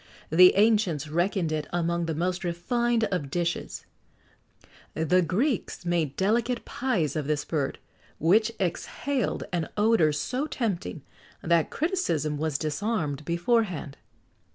The ancients reckoned it among the most refined of dishes.[XX 72] The Greeks made delicate pies of this bird, which exhaled an odour so tempting, that criticism was disarmed beforehand.